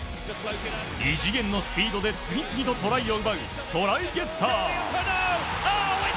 異次元のスピードで次々とトライを奪うトライゲッター！